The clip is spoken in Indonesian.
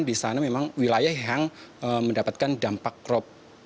di sana memang wilayah yang mendapatkan dampak krop